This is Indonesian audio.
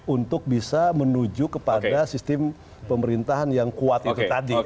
untuk bisa menuju kepada sistem pemerintahan yang kuat itu tadi